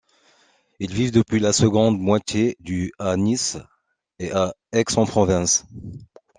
Ils vivent depuis la seconde moitié du à Nice et à Aix-en-Provence.